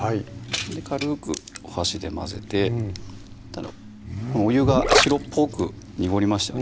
軽くお箸で混ぜてこのお湯が白っぽく濁りましたね